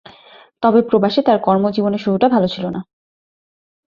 তবে প্রবাসে তার কর্মজীবনের শুরুটা ভালো ছিল না।